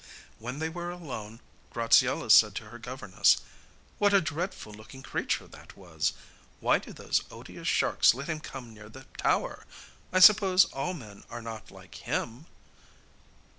When they were alone, Graziella said to her governess: 'What a dreadful looking creature that was! Why do those odious sharks let him come near the tower? I suppose all men are not like him?